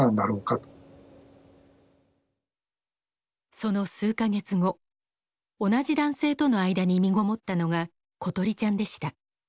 その数か月後同じ男性との間にみごもったのが詩梨ちゃんでした。